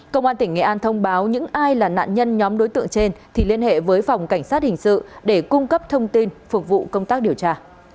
công an tỉnh nghệ an thông báo những ai là nạn nhân nhóm đối tượng trên thì liên hệ với phòng cảnh sát hình sự để cung cấp thông tin phục vụ công tác điều tra